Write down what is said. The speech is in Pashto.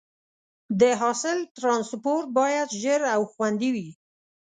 د حاصل ټرانسپورټ باید ژر او خوندي وي.